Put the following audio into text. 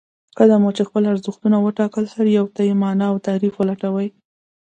کله مو چې خپل ارزښتونه وټاکل هر يو ته يې مانا او تعريف ولټوئ.